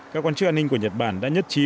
các quan chức an ninh của nhật bản đã nhất trí